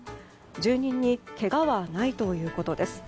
住人にけがはないということです。